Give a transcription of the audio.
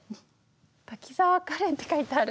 「滝沢カレン」って書いてある。